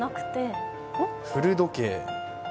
古時計？